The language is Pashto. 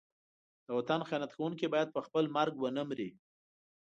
د وطن خیانت کوونکی باید په خپل مرګ ونه مري.